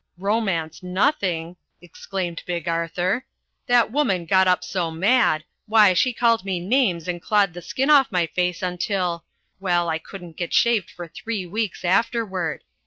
"Romance nothing!" exclaimed Big Arthur. "That woman got up so mad why, she called me names and clawed the skin off my face until well, I couldn't get shaved for three weeks afterward.